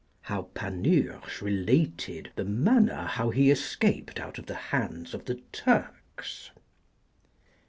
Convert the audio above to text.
How Panurge related the manner how he escaped out of the hands of the Turks.